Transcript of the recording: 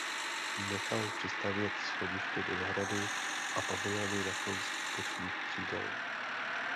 Nechal přistavět schodiště do zahrady a pavilony na koncích bočních křídel.